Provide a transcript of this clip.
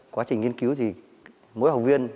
quá trình nghiên cứu thì mỗi học viên